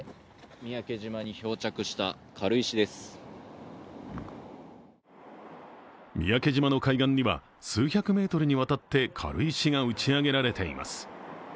三宅島の海岸には数百メートルにわたって軽石が打ち上げられています。